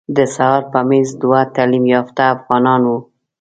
د سهار په میز دوه تعلیم یافته افغانان وو.